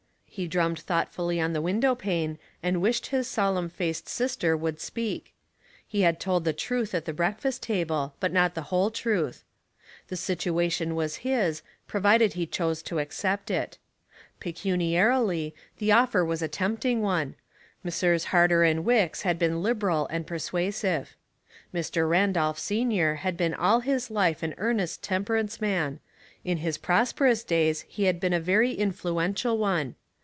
He drummed thoughtfully on the window pane and wished his solemn faced sister would speak. He had told the truth at the breakfast table, but not the whole truth The situation was his, provided he choose to accept it. Pecuniarily, the offer was a tempting one. Messrs. Harter & Wicks had been liberal and persuasive. Mr. Randolph, senior, had been all his life an earnest temperance man ; in his prosperous days he had been a veiy influential one.